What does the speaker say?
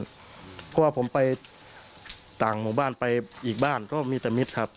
เพราะว่าผมไปต่างหมู่บ้านไปอีกบ้านก็มีแต่มิตรครับ